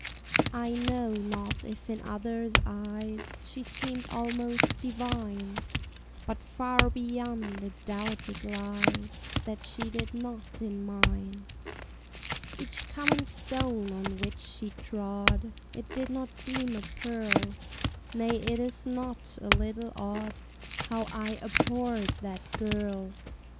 I KNOW not if in others' eyes She seem'd almost divine; But far beyond a doubt it lies That she did not in mine. Each common stone on which she trod I did not deem a pearl: Nay it is not a little odd How I abhorr'd that girl.